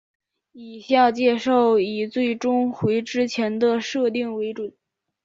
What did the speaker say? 以下介绍以最终回之前的设定为准。